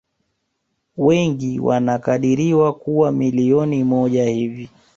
Wengi wanakadiriwa kuwa milioni moja hivi